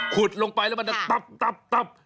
ขุดลงไปแล้วมันจะปั๊บปั๊บปั๊บ